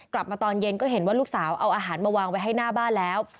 ตอนเย็นก็เห็นว่าลูกสาวเอาอาหารมาวางไว้ให้หน้าบ้านแล้ว